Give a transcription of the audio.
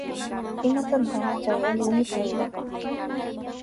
¿Imatataq chay allqu mikuykan?